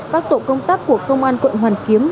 các tổ công tác của công an quận hoàn kiếm